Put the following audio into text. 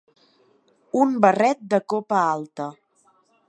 Un barret de copa alta.